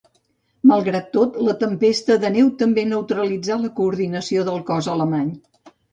Malgrat tot, la tempesta de neu també neutralitzà la coordinació del cos alemany.